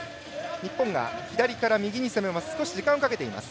日本が左から右に攻めます。